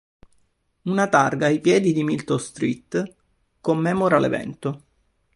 Una targa ai piedi di Milton Street commemora l'evento.